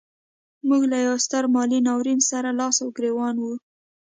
موږ له یوه ستر مالي ناورین سره لاس و ګرېوان وو.